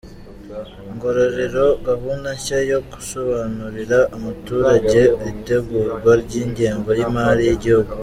Ngororero Gahunda nshya yo gusobanurira umuturage itegurwa ry’ingengo y’imari y’igihugu